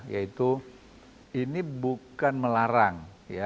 yaitu ini bukan melarang